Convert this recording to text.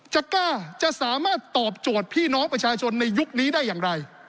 กล้าจะสามารถตอบโจทย์พี่น้องประชาชนในยุคนี้ได้อย่างไร